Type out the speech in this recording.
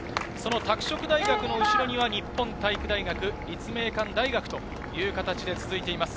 拓殖大学の後ろには日本体育大学、立命館大学と続いています。